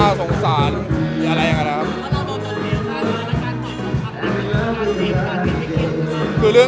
ในการปล่อยเงินก็ช่วยมากกว่าที่ไม่ใช่การปล่อยเงิน